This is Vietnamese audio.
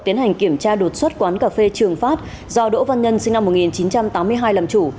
tiến hành kiểm tra đột xuất quán cà phê trường pháp do đỗ văn nhân sinh năm một nghìn chín trăm tám mươi hai làm chủ